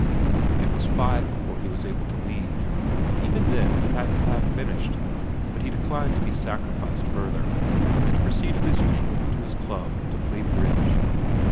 It was five before he was able to leave and even then he hadn't half finished, but he declined to be sacrificed further and proceed as usual to his club to play bridge.